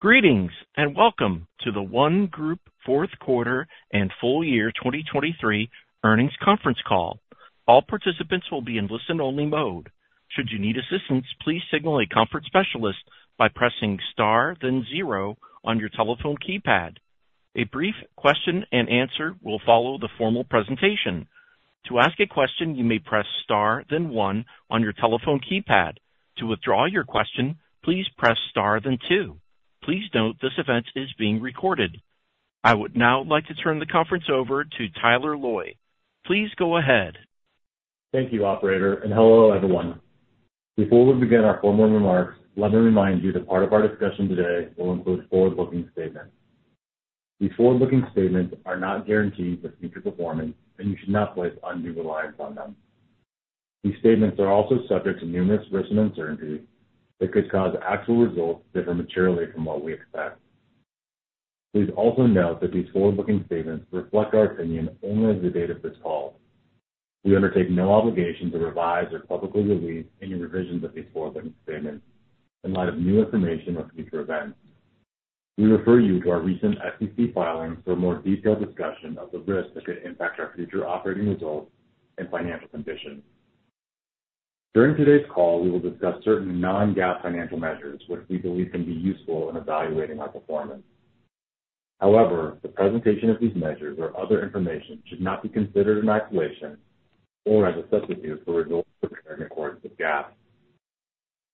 Greetings, and welcome to The ONE Group fourth quarter and full year 2023 earnings conference call. All participants will be in listen-only mode. Should you need assistance, please signal a conference specialist by pressing star, then zero on your telephone keypad. A brief question and answer will follow the formal presentation. To ask a question, you may press star, then one on your telephone keypad. To withdraw your question, please press star, then two. Please note, this event is being recorded. I would now like to turn the conference over to Tyler Loy. Please go ahead. Thank you, operator, and hello, everyone. Before we begin our formal remarks, let me remind you that part of our discussion today will include forward-looking statements. These forward-looking statements are not guarantees of future performance, and you should not place undue reliance on them. These statements are also subject to numerous risks and uncertainties that could cause actual results to differ materially from what we expect. Please also note that these forward-looking statements reflect our opinion only as of the date of this call. We undertake no obligation to revise or publicly release any revisions of these forward-looking statements in light of new information or future events. We refer you to our recent SEC filings for a more detailed discussion of the risks that could impact our future operating results and financial condition. During today's call, we will discuss certain non-GAAP financial measures, which we believe can be useful in evaluating our performance. However, the presentation of these measures or other information should not be considered in isolation or as a substitute for results prepared in accordance with GAAP.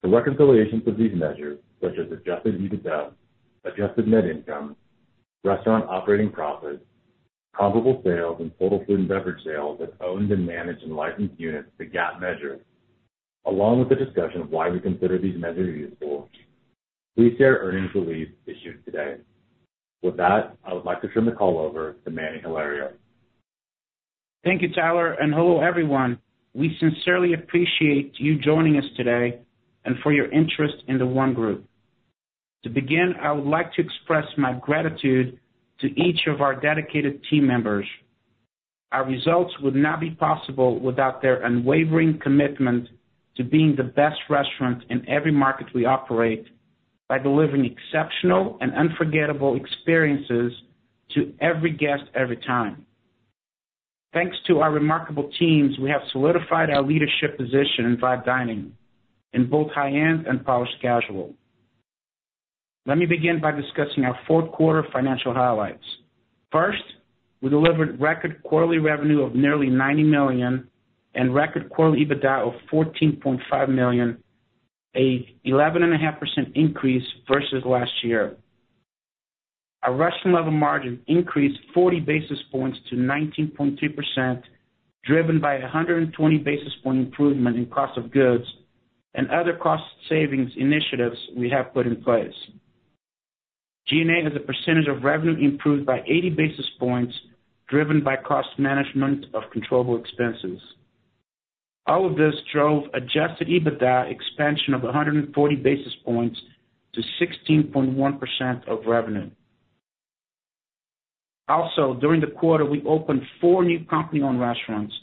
The reconciliations of these measures, such as Adjusted EBITDA, Adjusted Net Income, restaurant operating profit, comparable sales, and total food and beverage sales of owned and managed and licensed units to GAAP measures, along with the discussion of why we consider these measures useful. Please see our earnings release issued today. With that, I would like to turn the call over to Manny Hilario. Thank you, Tyler, and hello, everyone. We sincerely appreciate you joining us today and for your interest in The ONE Group. To begin, I would like to express my gratitude to each of our dedicated team members. Our results would not be possible without their unwavering commitment to being the best restaurant in every market we operate by delivering exceptional and unforgettable experiences to every guest, every time. Thanks to our remarkable teams, we have solidified our leadership position in vibe dining in both high-end and polished casual. Let me begin by discussing our fourth quarter financial highlights. First, we delivered record quarterly revenue of nearly $90 million and record quarterly EBITDA of $14.5 million, an 11.5% increase versus last year. Our restaurant level margin increased 40 basis points to 19.2%, driven by a 120 basis point improvement in cost of goods and other cost savings initiatives we have put in place. G&A as a percentage of revenue improved by 80 basis points, driven by cost management of controllable expenses. All of this drove Adjusted EBITDA expansion of 140 basis points to 16.1% of revenue. Also, during the quarter, we opened four new company-owned restaurants,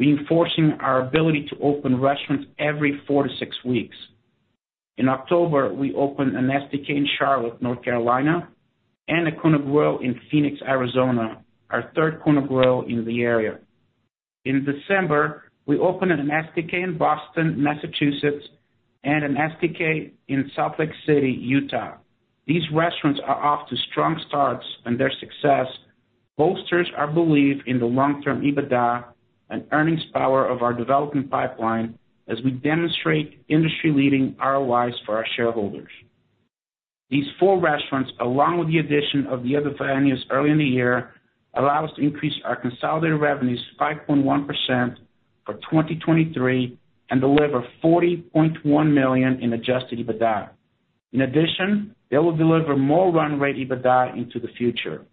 reinforcing our ability to open restaurants every four to six weeks. In October, we opened an STK in Charlotte, North Carolina, and a Kona Grill in Phoenix, Arizona, our third Kona Grill in the area. In December, we opened an STK in Boston, Massachusetts, and an STK in Salt Lake City, Utah. These restaurants are off to strong starts, and their success bolsters our belief in the long-term EBITDA and earnings power of our development pipeline as we demonstrate industry-leading ROIs for our shareholders. These four restaurants, along with the addition of the other three venues early in the year, allow us to increase our consolidated revenues 5.1% for 2023 and deliver $40.1 million in Adjusted EBITDA. In addition, they will deliver more runway EBITDA into the future.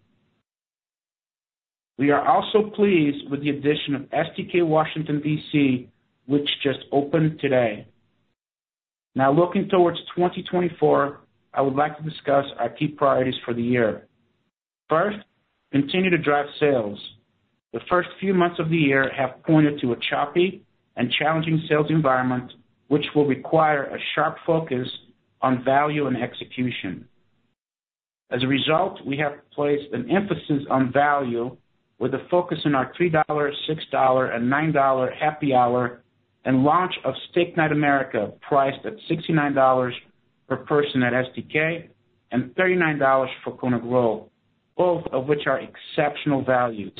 We are also pleased with the addition of STK Washington, D.C., which just opened today. Now, looking towards 2024, I would like to discuss our key priorities for the year. First, continue to drive sales. The first few months of the year have pointed to a choppy and challenging sales environment, which will require a sharp focus on value and execution. As a result, we have placed an emphasis on value with a focus on our $3, $6, and $9 Happy Hour and launch of Steak Night America, priced at $69 per person at STK and $39 for Kona Grill, both of which are exceptional values.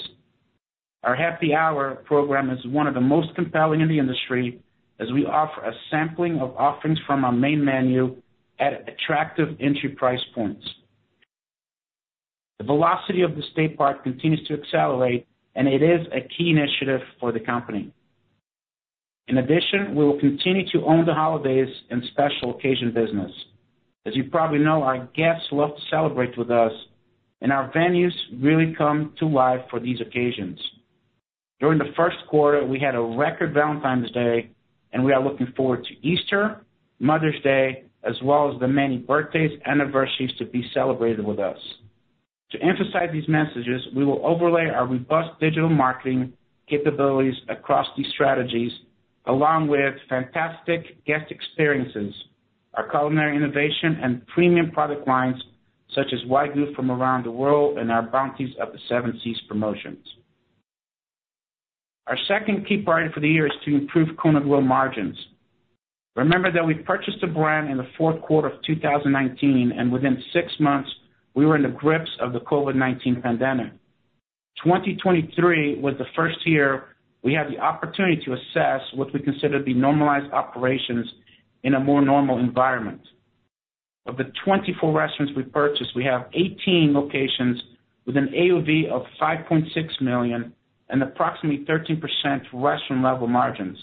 Our Happy Hour program is one of the most compelling in the industry as we offer a sampling of offerings from our main menu at attractive entry price points. The velocity of the steak part continues to accelerate, and it is a key initiative for the company. In addition, we will continue to own the holidays and special occasion business. As you probably know, our guests love to celebrate with us, and our venues really come to life for these occasions. During the first quarter, we had a record Valentine's Day, and we are looking forward to Easter, Mother's Day, as well as the many birthdays, anniversaries to be celebrated with us. To emphasize these messages, we will overlay our robust digital marketing capabilities across these strategies, along with fantastic guest experiences, our culinary innovation, and premium product lines, such as Wagyu from around the world and our Bounties of the Seven Seas promotions. Our second key priority for the year is to improve Kona Grill margins. Remember that we purchased the brand in the fourth quarter of 2019, and within six months, we were in the grips of the COVID-19 pandemic. 2023 was the first year we had the opportunity to assess what we consider to be normalized operations in a more normal environment. Of the 24 restaurants we purchased, we have 18 locations with an AUV of $5.6 million and approximately 13% restaurant-level margins,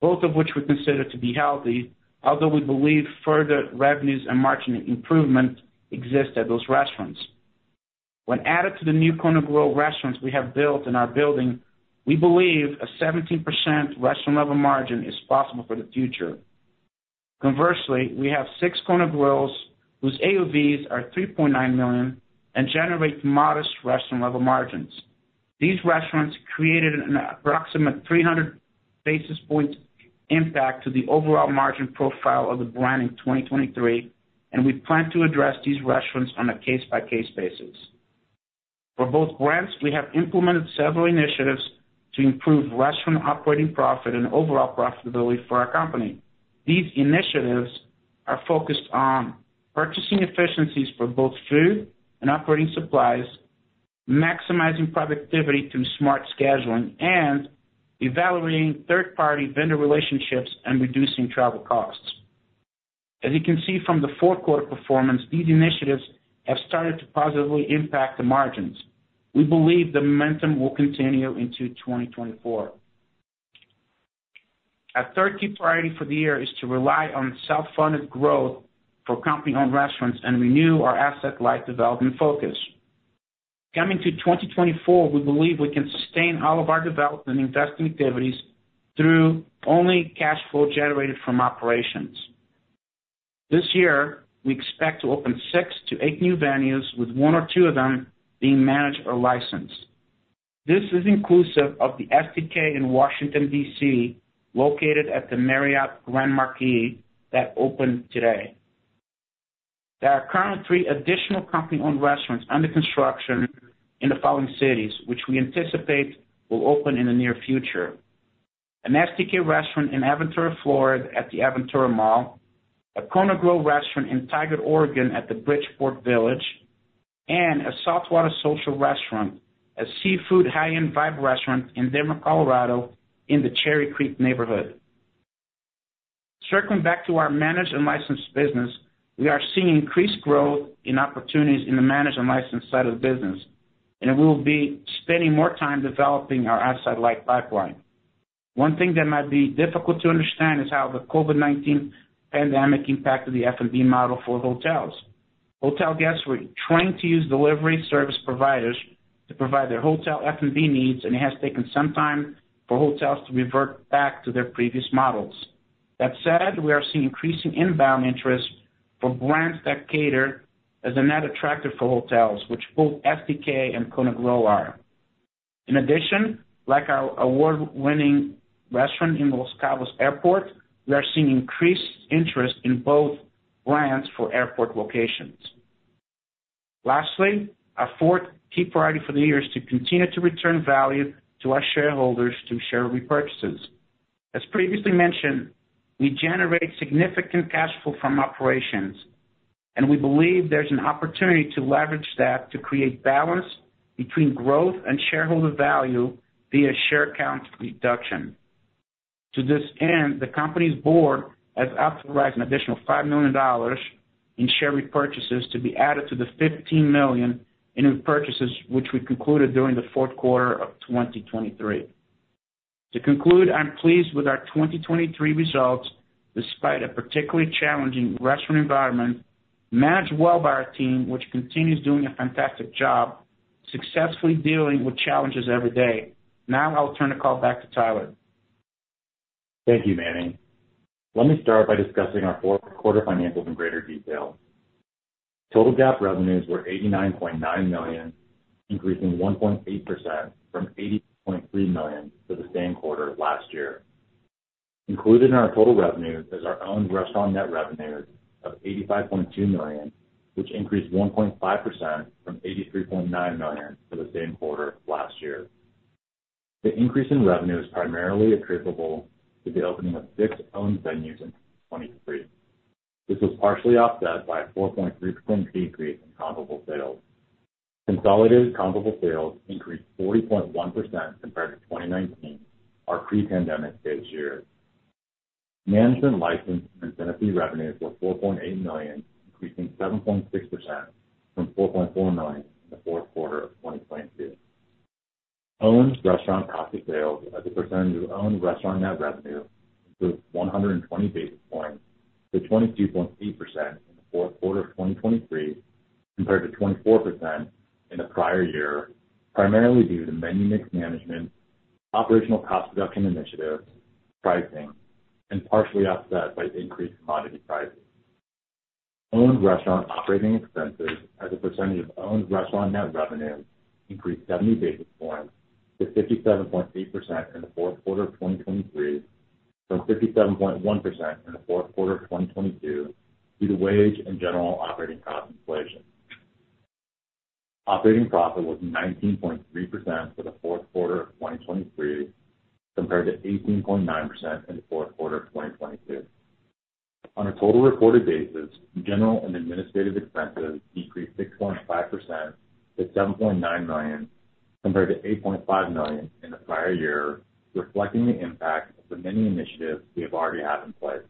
both of which we consider to be healthy, although we believe further revenues and margin improvement exist at those restaurants. When added to the new Kona Grill restaurants we have built in our building, we believe a 17% restaurant-level margin is possible for the future. Conversely, we have six Kona Grills whose AUVs are $3.9 million and generate modest restaurant-level margins. These restaurants created an approximate 300 basis point impact to the overall margin profile of the brand in 2023, and we plan to address these restaurants on a case-by-case basis. For both brands, we have implemented several initiatives to improve restaurant operating profit and overall profitability for our company. These initiatives are focused on purchasing efficiencies for both food and operating supplies, maximizing productivity through smart scheduling, and evaluating third-party vendor relationships and reducing travel costs. As you can see from the fourth quarter performance, these initiatives have started to positively impact the margins. We believe the momentum will continue into 2024. Our third key priority for the year is to rely on self-funded growth for company-owned restaurants and renew our asset-light development focus. Coming to 2024, we believe we can sustain all of our development investment activities through only cash flow generated from operations. This year, we expect to open six to eight new venues, with one or two of them being managed or licensed. This is inclusive of the STK in Washington, D.C., located at the Marriott Marquis, that opened today. There are currently three additional company-owned restaurants under construction in the following cities, which we anticipate will open in the near future: an STK restaurant in Aventura, Florida, at the Aventura Mall, a Kona Grill restaurant in Tigard, Oregon, at the Bridgeport Village, and a Saltwater Social restaurant, a seafood high-end vibe restaurant in Denver, Colorado, in the Cherry Creek neighborhood. Circling back to our managed and licensed business, we are seeing increased growth in opportunities in the managed and licensed side of the business, and we will be spending more time developing our asset-light pipeline. One thing that might be difficult to understand is how the COVID-19 pandemic impacted the F&B model for hotels. Hotel guests were trained to use delivery service providers to provide their hotel F&B needs, and it has taken some time for hotels to revert back to their previous models. That said, we are seeing increasing inbound interest for brands that cater as a net attractor for hotels, which both STK and Kona Grill are. In addition, like our award-winning restaurant in Los Cabos Airport, we are seeing increased interest in both brands for airport locations. Lastly, our fourth key priority for the year is to continue to return value to our shareholders through share repurchases. As previously mentioned, we generate significant cash flow from operations, and we believe there's an opportunity to leverage that to create balance between growth and shareholder value via share count reduction. To this end, the company's board has authorized an additional $5 million in share repurchases to be added to the $15 million in repurchases, which we concluded during the fourth quarter of 2023. To conclude, I'm pleased with our 2023 results, despite a particularly challenging restaurant environment, managed well by our team, which continues doing a fantastic job, successfully dealing with challenges every day. Now I'll turn the call back to Tyler. Thank you, Manny. Let me start by discussing our fourth quarter financials in greater detail. Total GAAP revenues were $89.9 million, increasing 1.8% from $80.3 million for the same quarter last year. Included in our total revenues is our own restaurant net revenues of $85.2 million, which increased 1.5% from $83.9 million for the same quarter last year. The increase in revenue is primarily attributable to the opening of six owned venues in 2023. This was partially offset by a 4.3% decrease in comparable sales. Consolidated comparable sales increased 40.1% compared to 2019, our pre-pandemic base year. Management, license, and incentive revenues were $4.8 million, increasing 7.6% from $4.4 million in the fourth quarter of 2022. Owned restaurant profits as a percentage of owned restaurant net revenue improved 120 basis points to 22.8% in the fourth quarter of 2023, compared to 24% in the prior year, primarily due to menu mix management, operational cost reduction initiative, pricing, and partially offset by increased commodity prices. Owned restaurant operating expenses as a percentage of owned restaurant net revenue increased 70 basis points to 57.8% in the fourth quarter of 2023, from 57.1% in the fourth quarter of 2022, due to wage and general operating cost inflation. Operating profit was 19.3% for the fourth quarter of 2023, compared to 18.9% in the fourth quarter of 2022. On a total reported basis, general and administrative expenses decreased 6.5% to $7.9 million, compared to $8.5 million in the prior year, reflecting the impact of the many initiatives we have already had in place.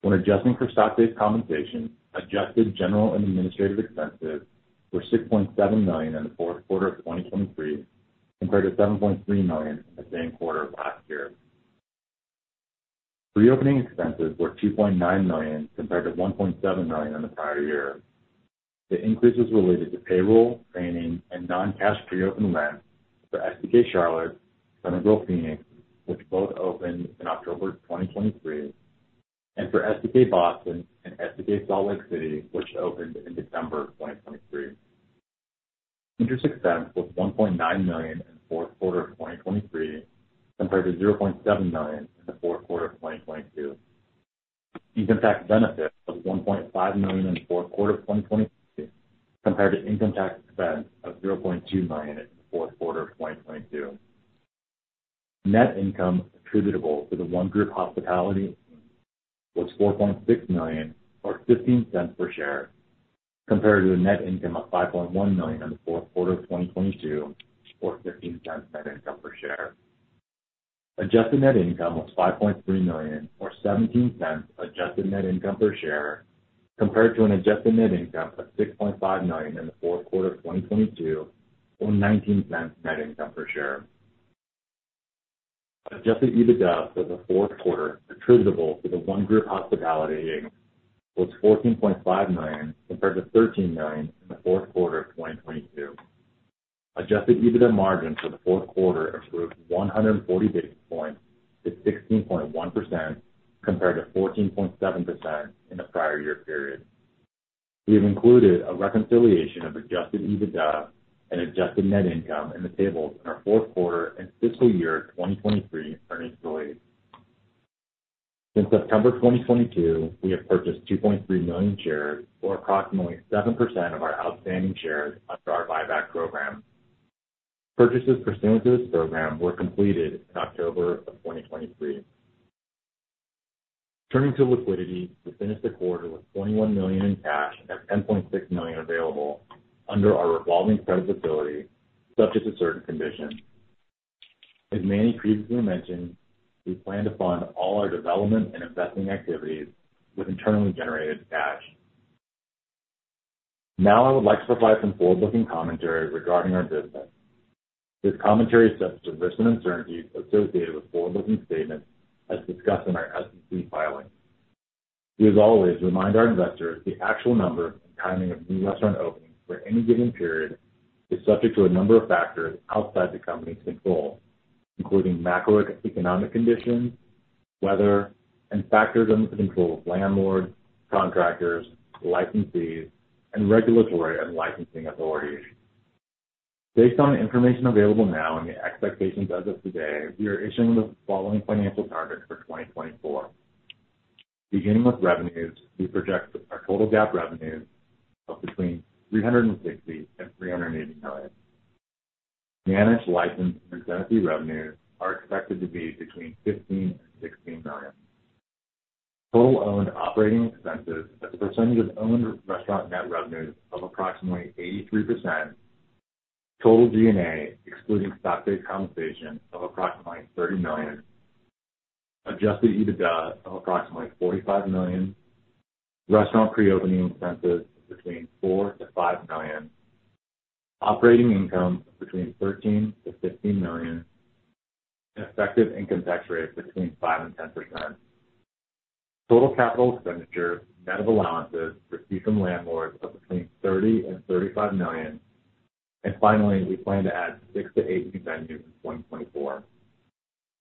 When adjusting for stock-based compensation, adjusted general and administrative expenses were $6.7 million in the fourth quarter of 2023, compared to $7.3 million in the same quarter of last year. Preopening expenses were $2.9 million, compared to $1.7 million in the prior year. The increase was related to payroll, training, and non-cash pre-opening rent for STK Charlotte, Kona Grill Phoenix, which both opened in October 2023, and for STK Boston and STK Salt Lake City, which opened in December 2023. Interest expense was $1.9 million in the fourth quarter of 2023, compared to $0.7 million in the fourth quarter of 2022. Income tax benefit of $1.5 million in the fourth quarter of 2022, compared to income tax expense of $0.2 million in the fourth quarter of 2022. Net income attributable to The ONE Group Hospitality was $4.6 million, or $0.15 per share, compared to a net income of $5.1 million in the fourth quarter of 2022, or $0.15 net income per share. Adjusted Net Income was $5.3 million, or $0.17 Adjusted Net Income per share, compared to an Adjusted Net Income of $6.5 million in the fourth quarter of 2022, or $0.19 net income per share. Adjusted EBITDA for the fourth quarter attributable to The ONE Group Hospitality was $14.5 million, compared to $13 million in the fourth quarter of 2022. Adjusted EBITDA margin for the fourth quarter improved 140 basis points to 16.1%, compared to 14.7% in the prior year period. We have included a reconciliation of Adjusted EBITDA and Adjusted Net Income in the tables in our fourth quarter and fiscal year 2023 earnings release. Since September 2022, we have purchased 2.3 million shares, or approximately 7% of our outstanding shares, under our buyback program. Purchases pursuant to this program were completed in October of 2023. Turning to liquidity, we finished the quarter with $21 million in cash and $10.6 million available under our revolving credit facility, subject to certain conditions. As Manny previously mentioned, we plan to fund all our development and investing activities with internally generated cash. Now I would like to provide some forward-looking commentary regarding our business. This commentary is subject to risks and uncertainties associated with forward-looking statements, as discussed in our SEC filings. We as always remind our investors the actual number and timing of new restaurant openings for any given period is subject to a number of factors outside the company's control, including macroeconomic conditions, weather, and factors under the control of landlords, contractors, licensees, and regulatory and licensing authorities. Based on the information available now and the expectations as of today, we are issuing the following financial targets for 2024. Beginning with revenues, we project our total GAAP revenues of between $360 million and $380 million. Managed, licensed, and licensee revenues are expected to be between $15 million and $16 million. Total owned operating expenses as a percentage of owned restaurant net revenues of approximately 83%. Total G&A, excluding stock-based compensation, of approximately $30 million. Adjusted EBITDA of approximately $45 million. Restaurant pre-opening expenses between $4 million-$5 million. Operating income between $13 million-$15 million. And effective income tax rate between 5% and 10%. Total capital expenditures, net of allowances received from landlords, of between $30 million and $35 million. And finally, we plan to add six to eight new venues in 2024.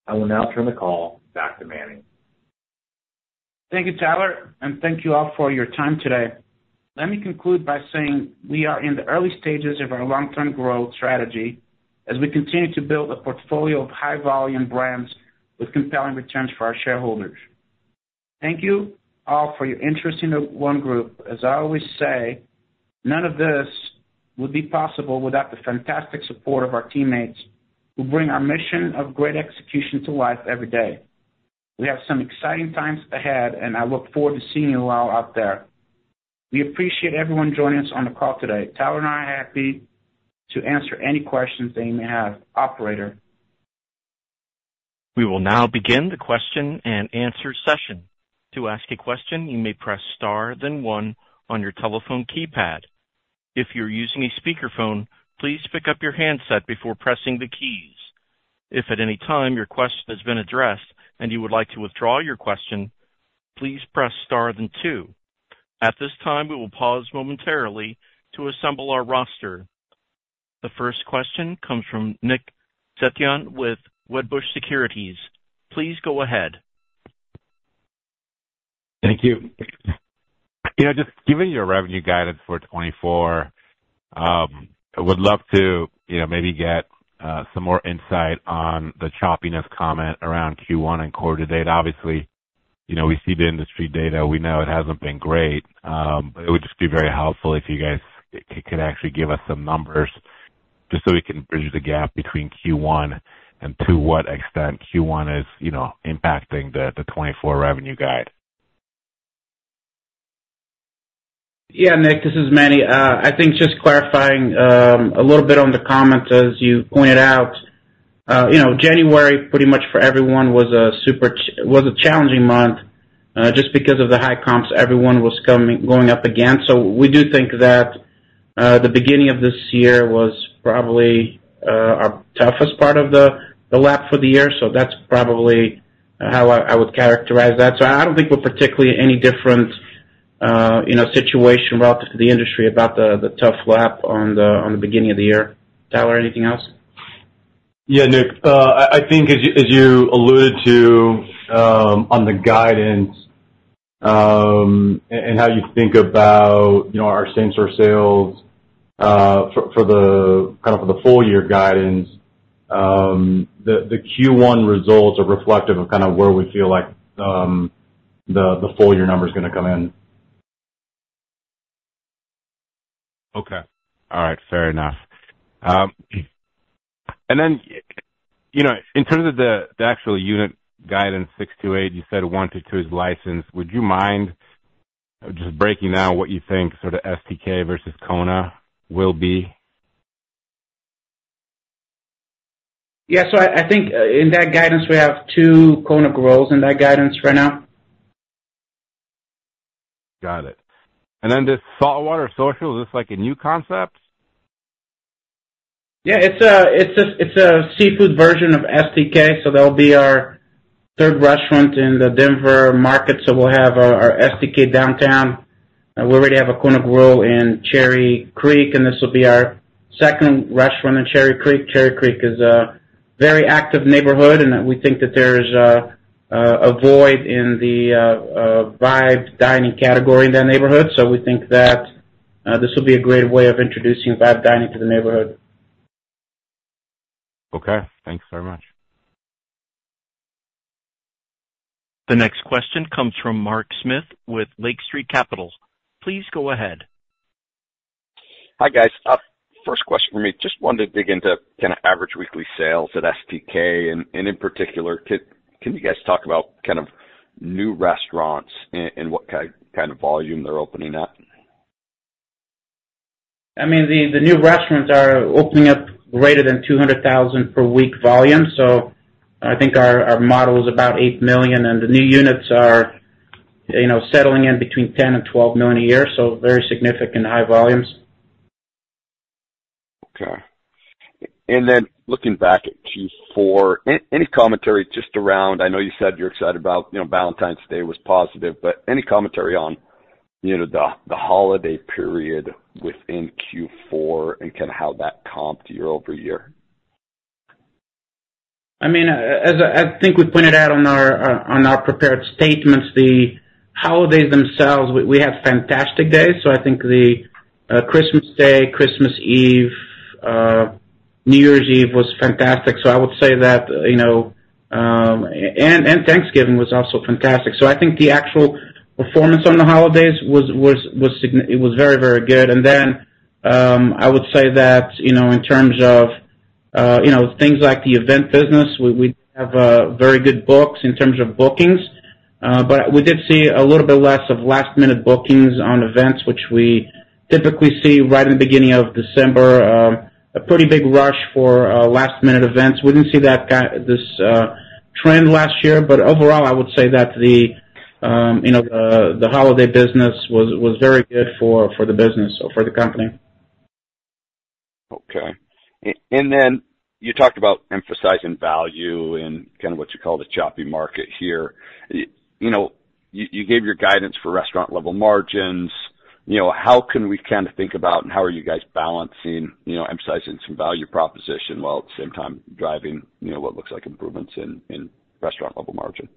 I will now turn the call back to Manny. Thank you, Tyler, and thank you all for your time today. Let me conclude by saying we are in the early stages of our long-term growth strategy as we continue to build a portfolio of high-volume brands with compelling returns for our shareholders. Thank you all for your interest in One Group. As I always say, none of this would be possible without the fantastic support of our teammates, who bring our mission of great execution to life every day. We have some exciting times ahead, and I look forward to seeing you all out there. We appreciate everyone joining us on the call today. Tyler and I are happy to answer any questions that you may have. Operator? We will now begin the question and answer session. To ask a question, you may press star, then one on your telephone keypad. If you are using a speakerphone, please pick up your handset before pressing the keys. If at any time your question has been addressed and you would like to withdraw your question, please press star then two. At this time, we will pause momentarily to assemble our roster. The first question comes from Nick Setyan with Wedbush Securities. Please go ahead. Thank you. You know, just giving your revenue guidance for 2024, I would love to, you know, maybe get some more insight on the choppiness comment around Q1 and quarter to date. Obviously, you know, we see the industry data. We know it hasn't been great, but it would just be very helpful if you guys could actually give us some numbers, just so we can bridge the gap between Q1 and to what extent Q1 is, you know, impacting the 2024 revenue guide. Yeah, Nick, this is Manny. I think just clarifying a little bit on the comments, as you pointed out, you know, January, pretty much for everyone, was a super challenging month, just because of the high comps everyone was going up against. So we do think that the beginning of this year was probably our toughest part of the lap for the year. So that's probably how I would characterize that. So I don't think we're particularly any different, you know, situation relative to the industry about the tough lap on the beginning of the year. Tyler, anything else? Yeah, Nick, I think as you alluded to, on the guidance, and how you think about, you know, our same-store sales, for the full year guidance, the Q1 results are reflective of kind of where we feel like, the full year number is gonna come in. Okay. All right, fair enough. And then, you know, in terms of the actual unit guidance, 628, you said one, two is licensed. Would you mind just breaking down what you think sort of STK versus Kona will be? Yeah, so I think in that guidance, we have two Kona Grill in that guidance right now. Got it. And then this Saltwater Social, is this like a new concept? Yeah, it's just a seafood version of STK, so that'll be our third restaurant in the Denver market. So we'll have our STK downtown. We already have a Kona Grill in Cherry Creek, and this will be our second restaurant in Cherry Creek. Cherry Creek is a very active neighborhood, and we think that there is a void in the vibe dining category in that neighborhood. So we think that this will be a great way of introducing vibe dining to the neighborhood. Okay, thanks very much. The next question comes from Mark Smith with Lake Street Capital. Please go ahead. Hi, guys. First question for me, just wanted to dig into kind of average weekly sales at STK, and in particular, can you guys talk about kind of new restaurants and what kind of volume they're opening up? I mean, the new restaurants are opening up greater than $200,000 per week volume, so I think our model is about $8 million, and the new units are, you know, settling in between $10 million and $12 million a year, so very significant high volumes. Okay. And then looking back at Q4, any commentary just around... I know you said you're excited about, you know, Valentine's Day was positive, but any commentary on, you know, the holiday period within Q4 and kind of how that comped year-over-year? I mean, as I think we pointed out on our on our prepared statements, the holidays themselves, we had fantastic days. So I think the Christmas Day, Christmas Eve, New Year's Eve was fantastic. So I would say that, you know, and Thanksgiving was also fantastic. So I think the actual performance on the holidays was it was very, very good. And then, I would say that, you know, in terms of, you know, things like the event business, we have very good books in terms of bookings, but we did see a little bit less of last-minute bookings on events, which we typically see right in the beginning of December. A pretty big rush for last-minute events. We didn't see that this trend last year, but overall, I would say that you know, the holiday business was very good for the business or for the company. Okay. And then you talked about emphasizing value in kind of what you call the choppy market here. You know, you gave your guidance for restaurant level margins. You know, how can we kind of think about and how are you guys balancing, you know, emphasizing some value proposition, while at the same time driving, you know, what looks like improvements in restaurant level margin?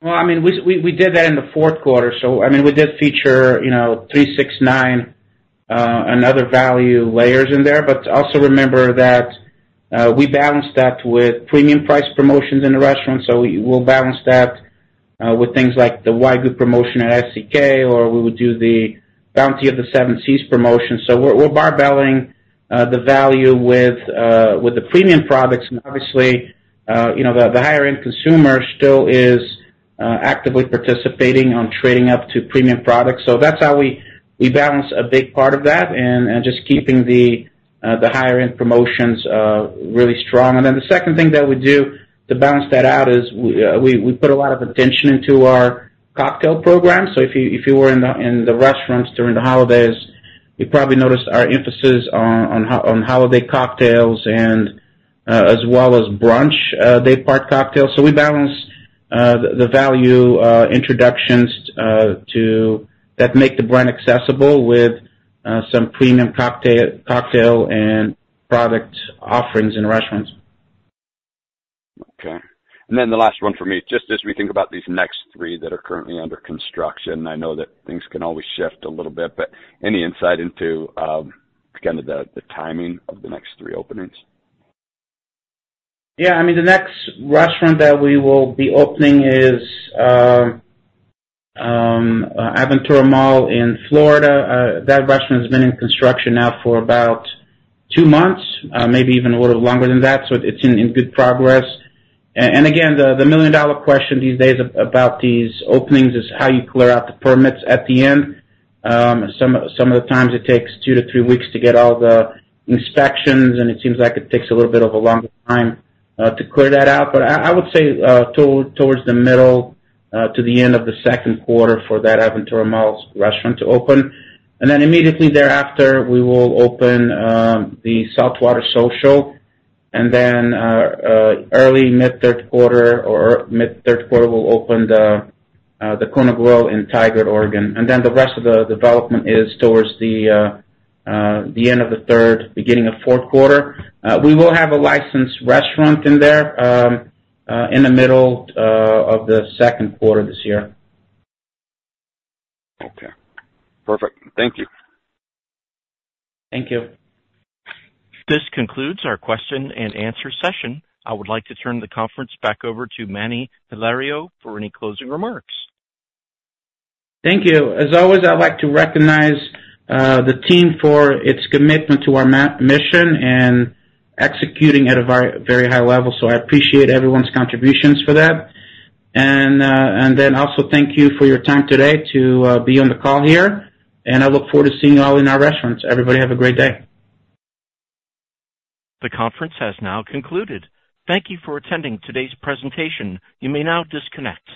Well, I mean, we did that in the fourth quarter. So I mean, we did feature, you know, $3, $6, $9, and other value layers in there. But also remember that, we balanced that with premium price promotions in the restaurant, so we'll balance that, with things like the Wagyu promotion at STK, or we would do the Bounties of the Seven Seas promotion. So we're barbelling the value with the premium products. And obviously, you know, the higher end consumer still is actively participating on trading up to premium products. So that's how we balance a big part of that and just keeping the higher end promotions really strong. And then the second thing that we do to balance that out is we put a lot of attention into our cocktail program. So if you were in the restaurants during the holidays. You probably noticed our emphasis on holiday cocktails and as well as brunch day part cocktails. So we balance the value introductions that make the brand accessible with some premium cocktail and product offerings in restaurants. Okay. And then the last one for me, just as we think about these next three that are currently under construction, I know that things can always shift a little bit, but any insight into kind of the timing of the next three openings? Yeah, I mean, the next restaurant that we will be opening is Aventura Mall in Florida. That restaurant has been in construction now for about two months, maybe even a little longer than that, so it's in good progress. And again, the million-dollar question these days about these openings is how you clear out the permits at the end. Some of the times it takes two to three weeks to get all the inspections, and it seems like it takes a little bit of a longer time to clear that out. But I would say towards the middle to the end of the second quarter for that Aventura Mall restaurant to open. Immediately thereafter, we will open the Saltwater Social, and then early mid-third quarter or mid-third quarter, we'll open the Kona Grill in Tigard, Oregon. Then the rest of the development is towards the end of the third, beginning of fourth quarter. We will have a licensed restaurant in there in the middle of the second quarter this year. Okay, perfect. Thank you. Thank you. This concludes our question and answer session. I would like to turn the conference back over to Manny Hilario for any closing remarks. Thank you. As always, I'd like to recognize the team for its commitment to our mission and executing at a very, very high level. So I appreciate everyone's contributions for that. And, and then also thank you for your time today to be on the call here, and I look forward to seeing you all in our restaurants. Everybody, have a great day. The conference has now concluded. Thank you for attending today's presentation. You may now disconnect.